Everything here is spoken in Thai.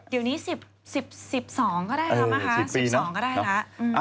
เดี๋ยวนี้๑๒ก็ได้ครับมะคะ๑๒ก็ได้แหละ